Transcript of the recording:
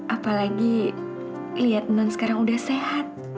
apalagi lihat non sekarang udah sehat